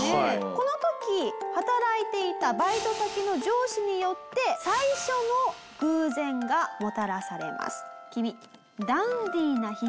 この時働いていたバイト先の上司によって最初の偶然がもたらされます。